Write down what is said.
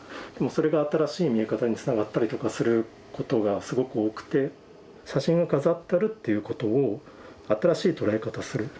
それが新しい見え方につながったりとかすることがすごく多くて写真が飾ってあるっていうことを新しい捉え方をする。